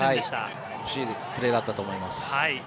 惜しいプレーだったと思います。